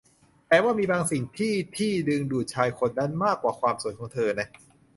แต่ว่ามีบางสิ่งที่ที่ดึงดูดชายคนนั้นมากกว่าความสวยของเธอนะ